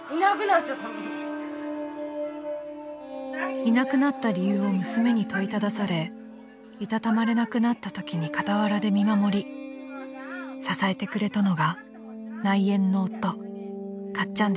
［いなくなった理由を娘に問いただされいたたまれなくなったときに傍らで見守り支えてくれたのが］